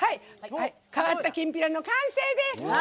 「皮ったきんぴら」の完成です！